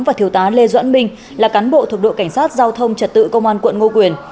và thiếu tá lê doãn minh là cán bộ thuộc đội cảnh sát giao thông trật tự công an quận ngo quyền